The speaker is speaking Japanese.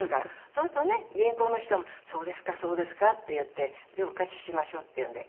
そうするとね銀行の人も「そうですかそうですか」って言って「じゃあお貸ししましょう」って言うんで。